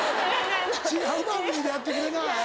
違う番組でやってくれない？